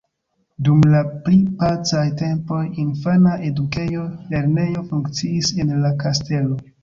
Dum la pli pacaj tempoj infana edukejo, lernejo funkciis en la kastelo.